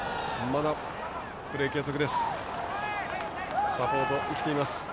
まだプレー継続。